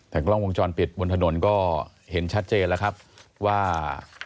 แต่กล้องวงจรปิดบนถนนก็เห็นชัดเจนแล้วครับว่า